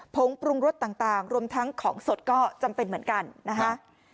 งปรุงรสต่างรวมทั้งของสดก็จำเป็นเหมือนกันนะคะ